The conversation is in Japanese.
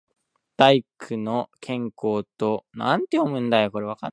大工の兼公と肴屋の角をつれて、茂作の人参畠をあらした事がある。